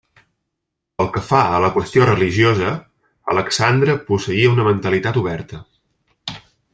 Pel que fa a la qüestió religiosa, Alexandre posseïa una mentalitat oberta.